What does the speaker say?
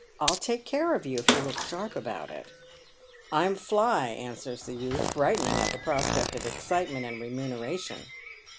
I'll take care of you if you look sharp about it." " I'm fly," answers the youth, brightening at the prospect of excitement and remuneration.